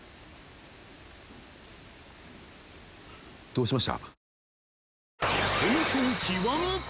どうしました？